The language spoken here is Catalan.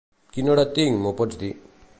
Quina hora tinc, m'ho pots dir?